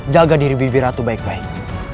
jaga diri bibir ratu baik baik